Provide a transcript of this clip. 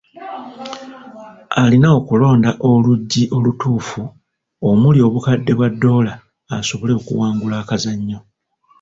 Alina okulonda oluggi olutuufu omuli obukadde bwa doola asobole okuwangula akazannyo.